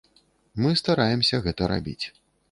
Мы стараемся гэта рабіць.